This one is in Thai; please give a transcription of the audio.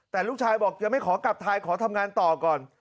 แต่ลูกชายบอกยังไม่ขอกลับไทยขอทำงานต่อก่อน